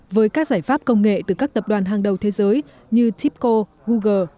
với các giải pháp công nghệ từ các tập đoàn hàng đầu thế giới như chipco google